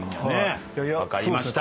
分かりました。